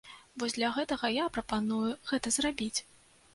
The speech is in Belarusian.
Вось для гэтага я прапаную гэта зрабіць.